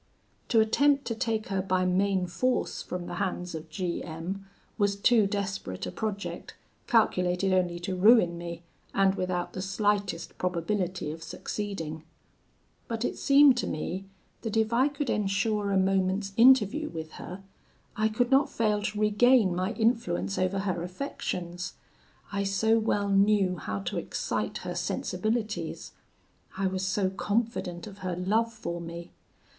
"To attempt to take her by main force from the hands of G M was too desperate a project, calculated only to ruin me, and without the slightest probability of succeeding. But it seemed to me that if I could ensure a moment's interview with her, I could not fail to regain my influence over her affections. I so well knew how to excite her sensibilities! I was so confident of her love for me!